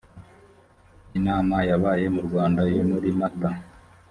inama yabaye mu rwanda yo muri mata